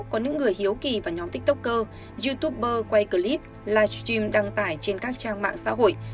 có những người hiếu kỳ vào nhóm tiktoker youtuber quay clip livestream đăng tải trên các trang mạng xã hội